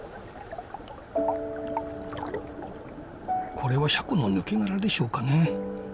これはシャコの抜け殻でしょうかね。